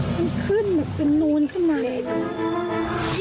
มันขึ้นเหมือนเป็นนู้นขนาดนี้